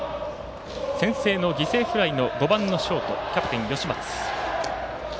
先制の犠牲フライの５番のショートキャプテン、吉松。